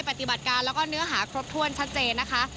ปฏิบัติการแล้วก็เนื้อหาครบถ้วนชัดเจนนะคะ